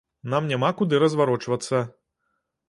Нам няма куды разварочвацца.